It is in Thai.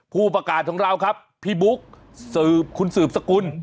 ผู้ประกาศของเราครับพี่บุ๊กสืบคุณสืบสกุล